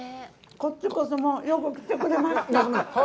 こっちこそ、よく来てくれました。